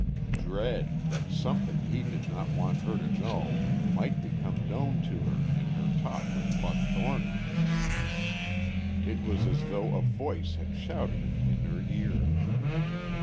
"Dread that something he did not want her to know might become known to her in her talk with Buck Thornton!" It was as though a voice had shouted it in her ear.